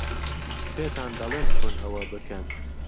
پێتان دەڵێم چۆن ئەوە بکەن.